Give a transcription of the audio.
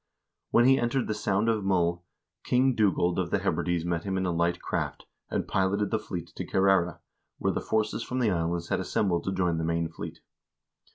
When he entered the Sound of Mull, King Dugald of the Hebrides met him in a light craft, and piloted the fleet to Kerrera, where the forces from the islands had assembled to join the main fleet.